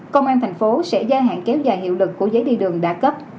công an tp hcm sẽ gia hạn kéo dài hiệu lực của giấy đi đường đã cấp